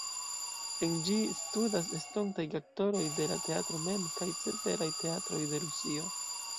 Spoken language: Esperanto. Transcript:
En ĝi studas estontaj geaktoroj de la teatro mem kaj ceteraj teatroj de Rusio.